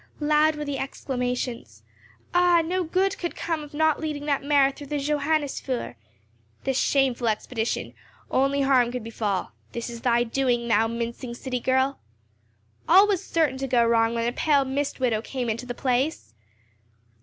Loud were the exclamations, "Ah! no good could come of not leading that mare through the Johannisfeuer." "This shameful expedition! Only harm could befall. This is thy doing, thou mincing city girl." "All was certain to go wrong when a pale mist widow came into the place."